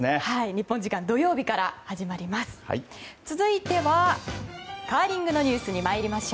日本時間土曜日から始まります。